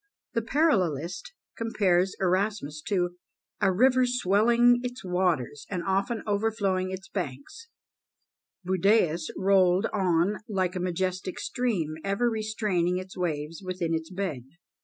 The parallelist compares Erasmus to "a river swelling its waters, and often overflowing its banks; Budæus rolled on like a majestic stream, ever restraining its waves within its bed.